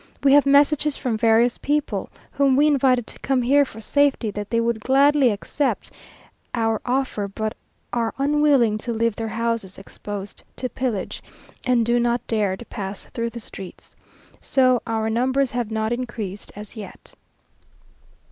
We have messages from various people whom we invited to come here for safety, that they would gladly accept our offer, but are unwilling to leave their houses exposed to pillage, and do not dare to pass through the streets. So our numbers have not increased as yet.